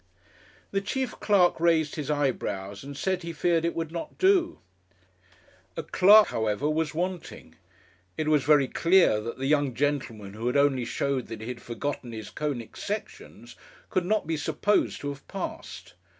The chief clerk raised his eyebrows and said he feared it would not do. A clerk, however, was wanting. It was very clear that the young gentleman who had only showed that he had forgotten his conic sections could not be supposed to have passed.